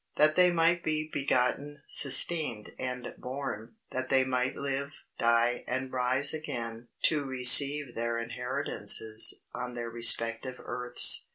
that they might be begotten, sustained, and born, that they might live, die, and rise again to receive their inheritances on their respective earths.